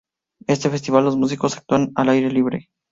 En este festival los músicos actúan al aire libre.